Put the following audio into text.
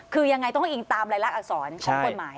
คือยังไงต้องอิงตามรายละอักษรของกฎหมาย